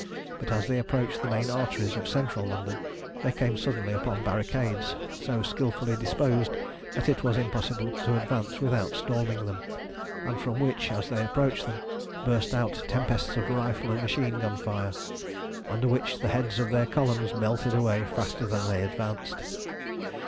But as they approached the main arteries of central London they came suddenly upon barricades so skilfully disposed that it was impossible to advance without storming them, and from which, as they approached them, burst out tempests of rifle and machine gunfire, under which the heads of their columns melted away faster than they advanced.